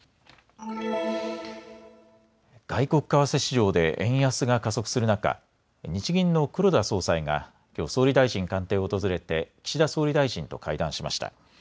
外国為替市場で円安が加速する中、日銀の黒田総裁がきょう総理大臣官邸を訪れて岸田総理大臣と会談しました。